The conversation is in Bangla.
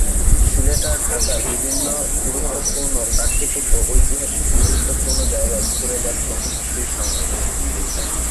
সিলেট আর ঢাকার বিভিন্ন গুরুত্বপূর্ণ প্রাকৃতিক ও ঐতিহাসিক গুরুত্বপূর্ণ জায়গায় ঘুরে দেখেন সেই সময়ে।